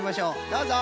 どうぞ！